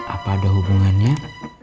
apa ada hubungannya